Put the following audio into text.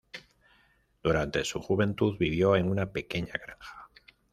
Durante su juventud vivió en una pequeña granja.